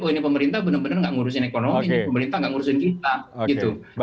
oh ini pemerintah benar benar nggak ngurusin ekonomi pemerintah nggak ngurusin kita gitu